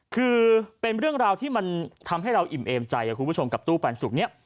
คือเป็นเรื่องราวที่มันทำให้เราอิ่มเอมใจคุณผู้ชมกับตู้ปันสุกนี้